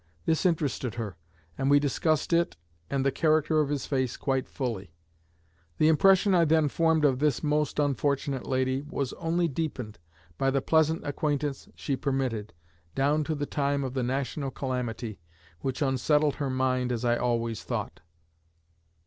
This interested her, and we discussed it and the character of his face quite fully. The impression I then formed of this most unfortunate lady was only deepened by the pleasant acquaintance she permitted, down to the time of the national calamity, which unsettled her mind as I always thought."